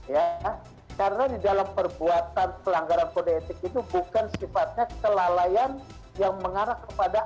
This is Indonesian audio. ya karena di dalam perbuatan pelanggaran kode etik itu bukan sifatnya kelalaian yang mengarah kepada